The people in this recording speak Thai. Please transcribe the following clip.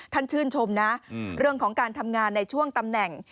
ชื่นชมนะเรื่องของการทำงานในช่วงตำแหน่ง